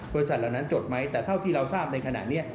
บริษัททั้งนั้นจดไหมแต่ที่เรารู้กันในขณะนี้